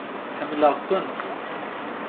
Ḥemmleɣ-kent.